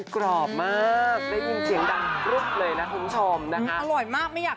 กรอบมาก